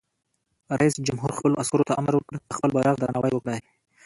رئیس جمهور خپلو عسکرو ته امر وکړ؛ د خپل بیرغ درناوی وکړئ!